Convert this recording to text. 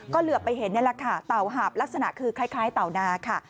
ก็เหลือไปเห็นนี่แหละค่ะเต่าหาบลักษณะคือคล้ายเต่านาค่ะ